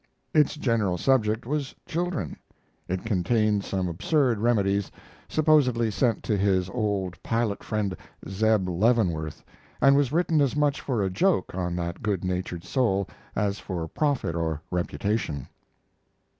Its general subject was children; it contained some absurd remedies, supposedly sent to his old pilot friend Zeb Leavenworth, and was written as much for a joke on that good natured soul as for profit or reputation.